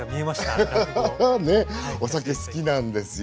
ねえお酒好きなんですよ。